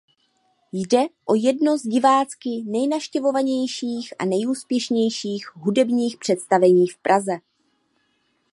Jde o jedno z divácky nejnavštěvovanějších a nejúspěšnějších hudebních představení v Praze.